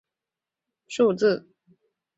这仅是清政府规定的最低数字。